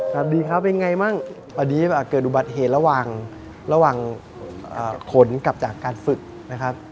สวัสดีครับเป็นไงมั่งอันนี้เกิดอุบัติเหตุระหว่างระหว่างขนกลับจากการฝึกนะครับ